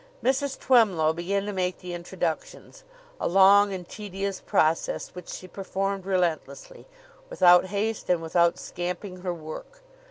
Mrs. Twemlow began to make the introductions a long and tedious process, which she performed relentlessly, without haste and without scamping her work.